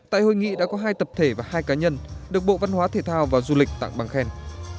tại hội nghị đã có hai tập thể và hai cá nhân được bộ văn hóa thể thao và du lịch tặng bằng khen